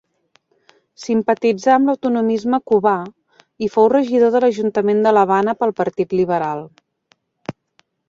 Simpatitzà amb l'autonomisme cubà, i fou regidor de l'Ajuntament de l'Havana pel Partit Liberal.